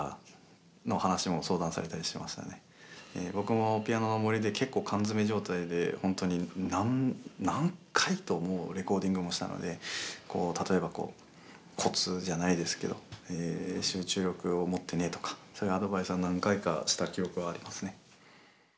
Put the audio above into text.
僕も「ピアノの森」でけっこう缶詰め状態でほんとに何何回とレコーディングもしたので例えばこうコツじゃないですけど「集中力を持ってね」とかそういうアドバイスは何回かした記憶はありますね。